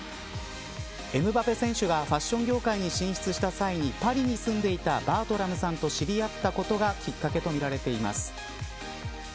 エムバペ選手がファッション業界に進出した際にパリに住んでいたバートラムさんと知り合ったことがきっかけとみられています。